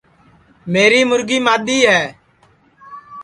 میری مُرگی مادؔی ہے